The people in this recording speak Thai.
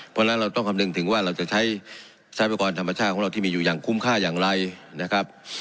เพราะฉะนั้นเราต้องคำนึงถึงว่าเราจะใช้ทรัพยากรธรรมชาติของเราที่มีอยู่อย่างคุ้มค่าอย่างไรนะครับ